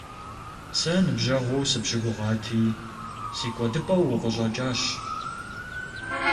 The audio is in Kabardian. Сэ ныбжьэгъуу сыпщыгугъати, си кӀуэдыпӀэу укъыщӀэкӀащ.